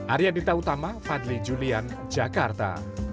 ariadita utama fadli julian jakarta